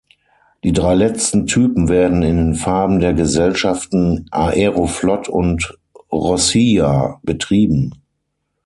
Die drei letzten Typen werden in den Farben der Gesellschaften Aeroflot und Rossija betrieben.